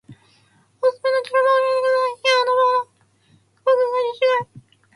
おすすめのジャル場を教えてください。いやアナ場な。航空会社違い。